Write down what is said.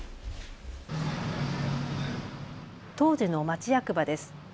当時の町役場です。